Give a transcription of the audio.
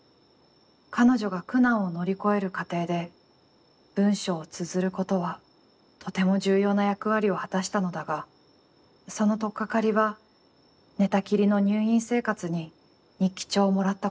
彼女が苦難を乗り越える過程で、文章を綴ることはとても重要な役割を果たしたのだが、そのとっかかりは、寝たきりの入院生活に日記帳をもらったことだった。